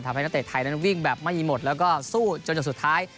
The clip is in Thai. นักเตะไทยนั้นวิ่งแบบไม่มีหมดแล้วก็สู้จนจุดสุดท้าย